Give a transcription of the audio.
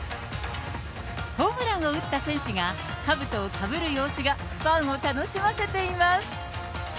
ホームランを打った選手が、かぶとをかぶる様子がファンを楽しませています。